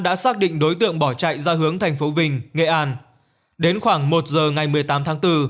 đã xác định đối tượng bỏ chạy ra hướng thành phố vinh nghệ an đến khoảng một giờ ngày một mươi tám tháng bốn